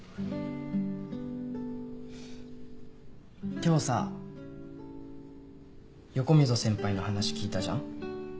今日さ横溝先輩の話聞いたじゃん？